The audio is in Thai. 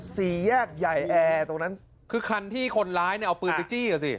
สี่แยกใหญ่แอร์ตรงนั้นคือคันที่คนร้ายเนี่ยเอาปืนไปจี้อ่ะสิ